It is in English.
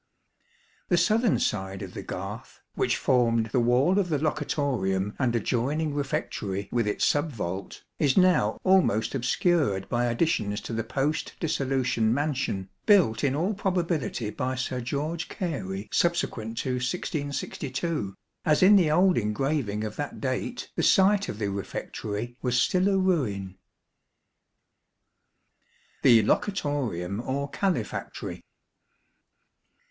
The southern side of the garth, which formed the wall of the locutorium and adjoining refectory with its sub vault, is now almost obscured by additions to the post dissolution mansion, built in all probability by Sir George Oary subsequent to 1662, as in the old engraving of that date the site of the refectory was still a ruin. The Locutorium or Calefactory.